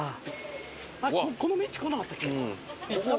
このメンチ来なかったっけ？